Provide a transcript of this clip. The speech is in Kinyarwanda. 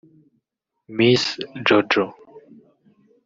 Miss Jojo